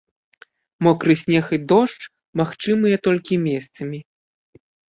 Мокры снег і дождж магчымыя толькі месцамі.